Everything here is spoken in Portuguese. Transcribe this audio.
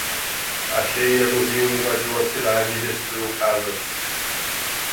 A cheia do rio invadiu a cidade e destruiu casas